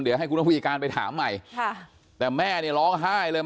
ข้อมูลวิการไปถามใหม่ค่ะแต่แม่เนี่ยร้องไห้เลย